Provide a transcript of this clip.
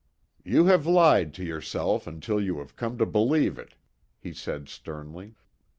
"You have lied to yourself until you have come to believe it," he said sternly.